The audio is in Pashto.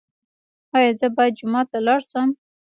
ایا زه باید جومات ته لاړ شم؟